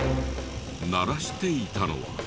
鳴らしていたのは。